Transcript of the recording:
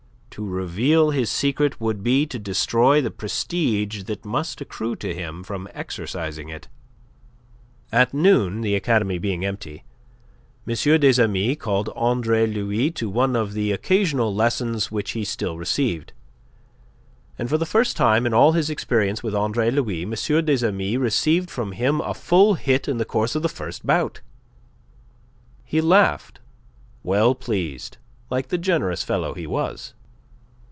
To reveal his secret would be to destroy the prestige that must accrue to him from exercising it. At noon, the academy being empty, M. des Amis called Andre Louis to one of the occasional lessons which he still received. And for the first time in all his experience with Andre Louis, M. des Amis received from him a full hit in the course of the first bout. He laughed, well pleased, like the generous fellow he was.